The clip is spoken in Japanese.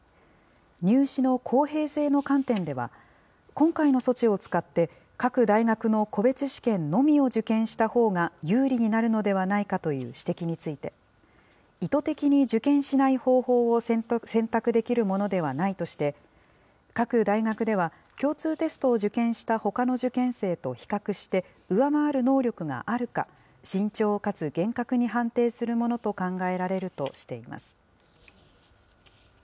入試の公平性の観点では、今回の措置を使って各大学の個別試験のみを受験したほうが有利になるのではないかという指摘について、意図的に受験しない方法を選択できるものではないとして、各大学では、共通テストを受験したほかの受験生と比較して、上回る能力があるか、慎重かつ厳格に判定するものと考えられるとしています。